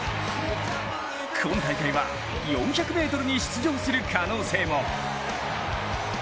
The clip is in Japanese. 今大会は４００ｍに出場する可能性も。